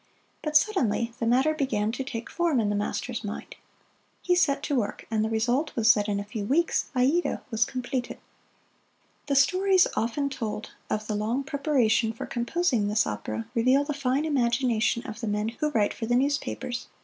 But suddenly the matter began to take form in the master's mind. He set to work, and the result was that in a few weeks "Aida" was completed. The stories often told of the long preparation for composing this opera reveal the fine imagination of the men who write for the newspapers.